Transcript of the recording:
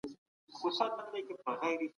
د پخوانیو څېړونکو کارونو ته درناوی وکړئ.